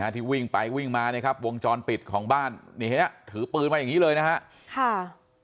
ที่วิ่งไปวิ่งมานะครับวงจรปิดของบ้านนี่เห็นไหมถือปืนมาอย่างนี้เลยนะครับ